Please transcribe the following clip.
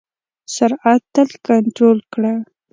سرعت تل کنټرول کړه.